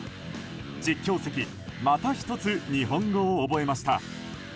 実況席また１つ日本語を覚えました。